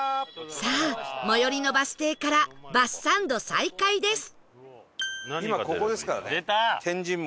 さあ最寄りのバス停からバスサンド再開です